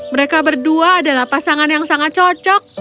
mereka berdua adalah pasangan yang sangat cocok